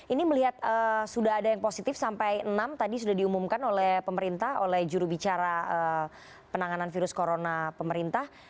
ini melihat sudah ada yang positif sampai enam tadi sudah diumumkan oleh pemerintah oleh jurubicara penanganan virus corona pemerintah